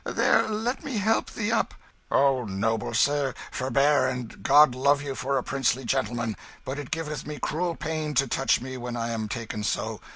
There let me help thee up." "O noble sir, forbear, and God love you for a princely gentleman but it giveth me cruel pain to touch me when I am taken so.